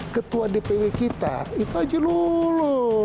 ketua dpw kita itu haji lulung